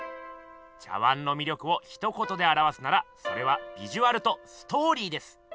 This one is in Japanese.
茶碗のみ力をひと言であらわすならそれは「ビジュアル」と「ストーリー」です。